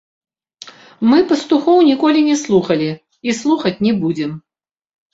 Мы пастухоў ніколі не слухалі і слухаць не будзем.